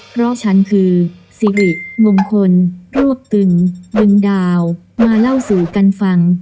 เพราะฉันคือสิริมงคลรวบตึงดึงดาวมาเล่าสู่กันฟัง